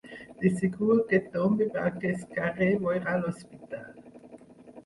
De segur que tombi per aquest carrer veurà l'hospital.